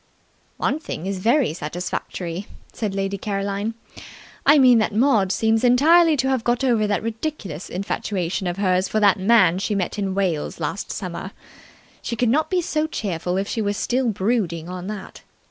"One thing is very satisfactory," said Lady Caroline. "I mean that Maud seems entirely to have got over that ridiculous infatuation of hers for that man she met in Wales last summer. She could not be so cheerful if she were still brooding on that.